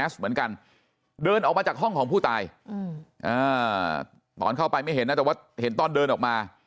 เดินออกมาจากห้องของผู้ตายตอนเข้าไปไม่เห็นนะแต่ว่าเห็นตอนเดินออกมา